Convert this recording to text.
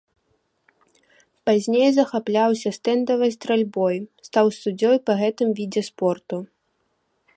Пазней захапляўся стэндавай стральбой, стаў суддзёй па гэтым відзе спорту.